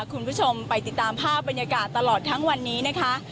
คุณผู้ชมไปติดตามภาพบรรยากาศตลอดทั้งวันนี้นะคะ